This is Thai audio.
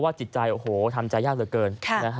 จิตใจโอ้โหทำใจยากเหลือเกิน